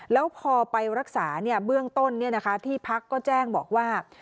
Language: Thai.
แล้วพอไปรักษาเบื้องต้นที่พักก็แจ้งบอกว่า